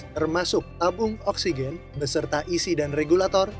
termasuk tabung oksigen beserta isi dan regulator